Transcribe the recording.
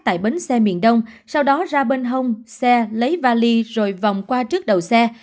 tại bến xe miền đông sau đó ra bên hông xe lấy vali rồi vòng qua trước đầu xe